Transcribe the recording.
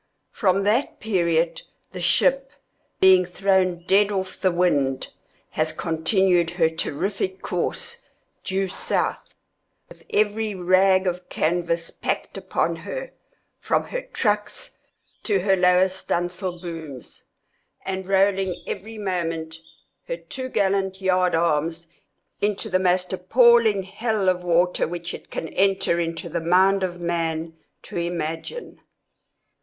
From that period the ship, being thrown dead off the wind, has continued her terrific course due south, with every rag of canvas packed upon her, from her trucks to her lower studding sail booms, and rolling every moment her top gallant yard arms into the most appalling hell of water which it can enter into the mind of a man to imagine.